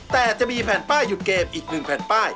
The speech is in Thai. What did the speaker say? แต่จะมีแผ่นป้ายหยุดเกมอีก๑แผ่นป้าย